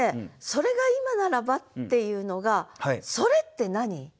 「それが今ならば」っていうのが「それ」って何？